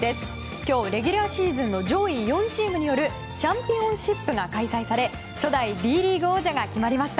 今日、レギュラーシーズンの上位４チームによるチャンピオンシップが開催され初代Ｄリーグ王者が決まりました。